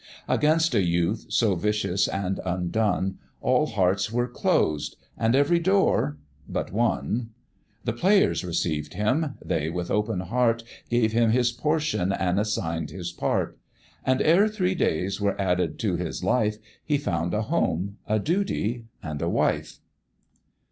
Against a youth so vicious and undone, All hearts were closed, and every door but one: The Players received him; they with open heart Gave him his portion and assign'd his part; And ere three days were added to his life, He found a home, a duty, and a wife.